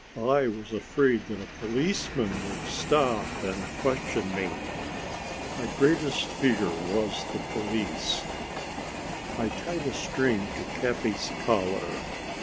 I was afraid that a policeman would stop and question me. My greatest fear was the police. I tied a string to Capi's collar.